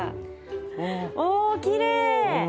おきれい！